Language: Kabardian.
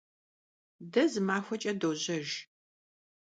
De zı maxueç'e dojejj.